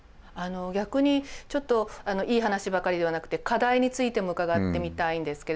逆にちょっといい話ばかりではなくて課題についても伺ってみたいんですけど。